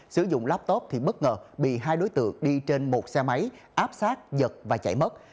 sử dụng laptop thì bất ngờ bị hai đối tượng đi trên một xe máy áp sát giật và chạy mất